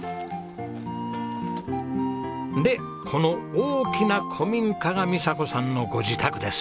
でこの大きな古民家が美佐子さんのご自宅です。